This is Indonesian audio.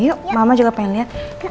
yuk mama juga pengen ya